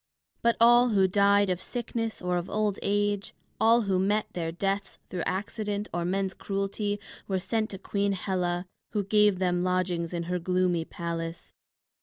But all who died of sickness or of old age, all who met their deaths through accident or men's cruelty, were sent to Queen Hela, who gave them lodgings in her gloomy palace.